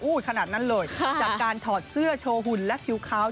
ขนาดนั้นเลยจากการถอดเสื้อโชว์หุ่นและผิวขาว